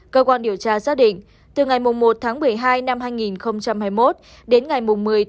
cơ quan điều tra xác định từ ngày một một mươi hai hai nghìn hai mươi một đến ngày một mươi một